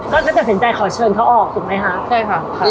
ก็จะเป็นใจขอเชิงเขาออกถูกไหมคะ